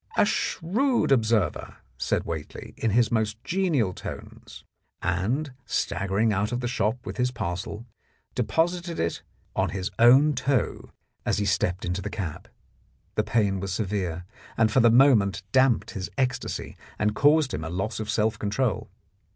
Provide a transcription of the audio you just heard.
"A shrewd observer! " said Whately in his most genial tones, and staggering out of the shop with his parcel, deposited it on his own toe as he stepped 50 The Blackmailer of Park Lane into the cab. The pain was severe, and for the moment damped his ecstasy and caused him a loss of self control.